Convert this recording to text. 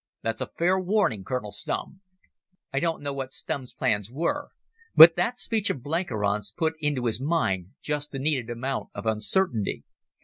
That's a fair warning, Colonel Stumm." I don't know what Stumm's plans were, but that speech of Blenkiron's put into his mind just the needed amount of uncertainty.